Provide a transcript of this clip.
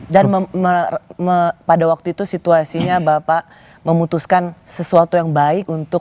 dan pada waktu itu situasinya bapak memutuskan sesuatu yang baik untuk